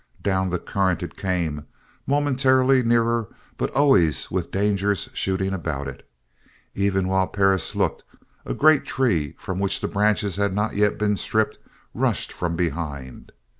Down the current it came, momentarily nearer but always with dangers shooting about it. Even while Perris looked, a great tree from which the branches had not yet been stripped rushed from behind.